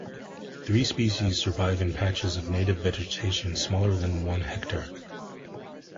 Three species survive in patches of native vegetation smaller than one hectare.